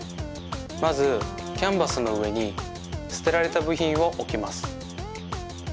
まずキャンバスのうえにすてられたぶひんをおきます。